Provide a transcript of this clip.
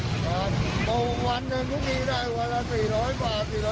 ตรงวันก็มีได้วันละ๔๐๐บาท๔๐๐บาท